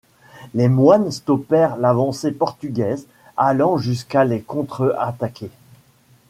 Les moines stoppèrent l’avancée portugaise, allant jusqu’à les contre-attaquer.